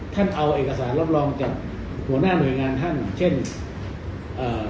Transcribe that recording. ท่านเอาเอกสารรับรองจากหัวหน้าหน่วยงานท่านเช่นเอ่อ